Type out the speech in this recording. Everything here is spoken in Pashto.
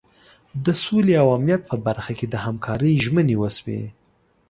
د سولې او امنیت په برخه کې د همکارۍ ژمنې وشوې.